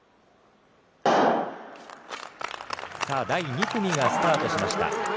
第２組がスタートしました。